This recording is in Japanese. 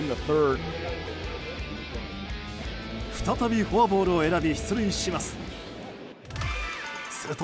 再びフォアボールを選び出塁します。